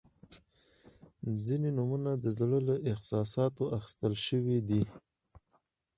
• ځینې نومونه د زړه له احساساتو اخیستل شوي دي.